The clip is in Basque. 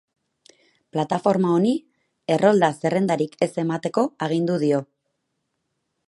Plataforma honi errolda zerrendarik ez emateko agindu dio.